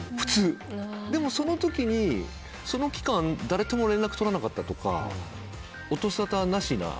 でもその時に、その期間誰とも連絡を取らなかったとか音沙汰なしな。